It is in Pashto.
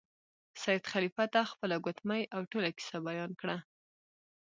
سید خلیفه ته خپله ګوتمۍ او ټوله کیسه بیان کړه.